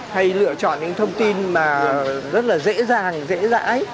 hay lựa chọn những thông tin mà rất là dễ dàng dễ dãi